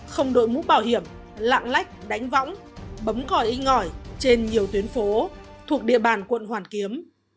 không đội mũ bảo hiểm lạng lách đánh võng bấm còi i ngỏi trên nhiều tuyến phố thuộc địa bàn quận hoàn kiếm